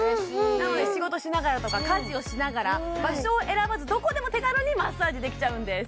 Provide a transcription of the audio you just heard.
なので仕事しながらとか家事をしながら場所を選ばずどこでも手軽にマッサージできちゃうんです